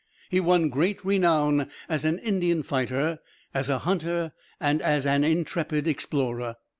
He won great renown as an Indian fighter, as a hunter, as an intrepid explorer.